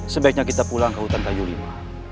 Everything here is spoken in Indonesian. sebaiknya kita pulang ke hutan kayu lima